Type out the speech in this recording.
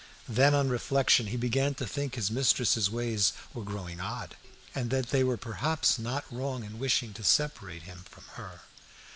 Then, on, reflection, he began to think his mistress's ways were growing odd, and that they were perhaps not wrong in wishing to separate him from her.